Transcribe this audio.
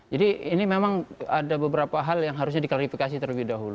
jadi ini memang ada beberapa hal yang harusnya diklarifikasi terlebih dahulu